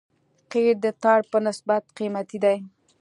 قیر د ټار په نسبت قیمتي دی